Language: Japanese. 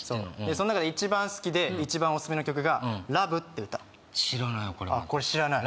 その中で一番好きで一番オススメの曲がＬＯＶＥって歌知らないわこれこれ知らない？